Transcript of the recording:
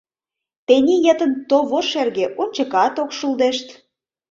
Тений йытын тово шерге, ончыкат ок шулдешт.